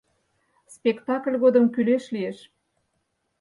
— Спектакль годым кӱлеш лиеш...